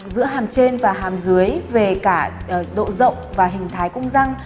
giữa hàm trên và hàm dưới về cả độ rộng và hình thái cung răng